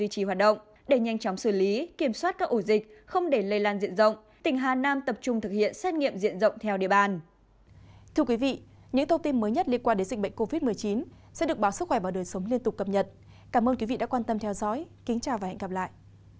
cảm ơn các bạn đã theo dõi kính chào và hẹn gặp lại